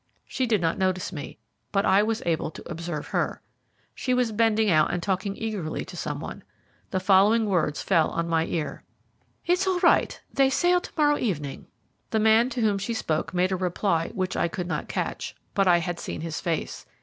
She did not notice me, but I was able to observe her. She was bending out and talking eagerly to some one. The following words fell on my ear: "It is all right. They sail to morrow evening." The man to whom she spoke made a reply which I could not catch, but I had seen his face.